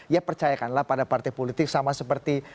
ya percayakanlah pada partai politik sama seperti